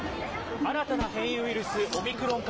新たな変異ウイルス、オミクロン株。